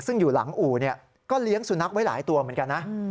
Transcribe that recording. ซึ่งอยู่หลังอู่ก็เลี้ยงสุนัขไว้หลายตัวเหมือนกันนะ